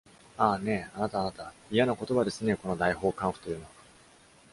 ああ、ねぇ、あなた、あなた、いやな言葉ですねえ、この大法官府というのは！